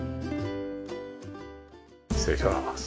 失礼します。